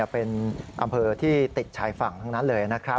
เป็นอำเภอที่ติดชายฝั่งทั้งนั้นเลยนะครับ